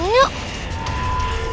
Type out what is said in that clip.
mau saya cari